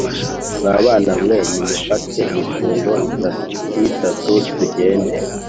mwa bana mwe nimufate imifungo itatitatu tugende.